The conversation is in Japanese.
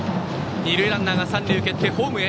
二塁ランナーは三塁を蹴ってホームへ。